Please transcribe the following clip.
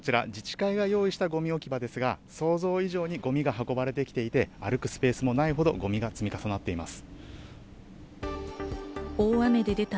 こちら自治会が用意したごみ置き場ですけれども想像以上にごみが運ばれていて、歩くスペースがないほどのごみが積み重なっています。